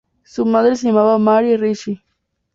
Su madre se llamaba Mary Ricci.